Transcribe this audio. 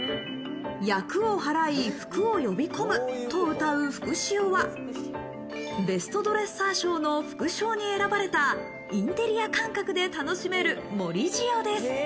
厄を払い、福を呼び込むとうたう福しおは、ベストドレッサー賞の副賞に選ばれたインテリア感覚で楽しめる盛り塩です。